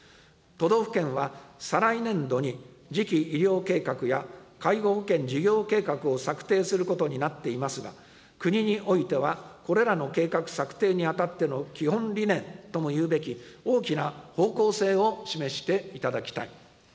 都道府県は、再来年度に、次期医療計画や介護保険事業計画を策定することになっていますが、国においては、これらの計画策定にあたっての基本理念とも言うべき、大きな方向性を示していただきたい。